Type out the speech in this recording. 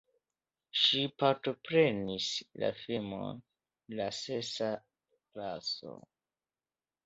Ŝi partoprenis la filmon La sesa raso.